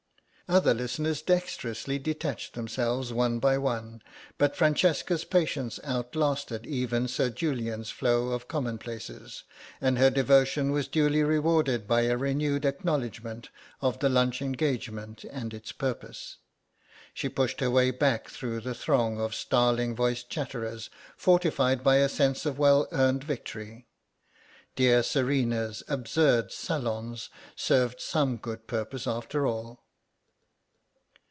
Other listeners dexterously detached themselves one by one, but Francesca's patience outlasted even Sir Julian's flow of commonplaces, and her devotion was duly rewarded by a renewed acknowledgment of the lunch engagement and its purpose. She pushed her way back through the throng of starling voiced chatterers fortified by a sense of well earned victory. Dear Serena's absurd salons served some good purpose after all.